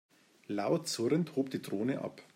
Laut surrend hob die Drohne ab.